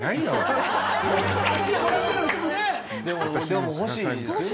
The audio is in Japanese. でも欲しいですよね。